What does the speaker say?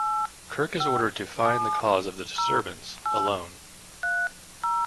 Kirk is ordered to find the cause of the disturbance, alone.